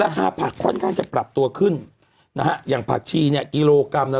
ค่าผักค่อนข้างจะปรับตัวขึ้นนะฮะอย่างผักชีเนี่ยกิโลกรัมละ